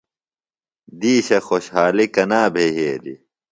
دِیشہ خوشحالیۡ کنا بھےۡ یھیلیۡ؟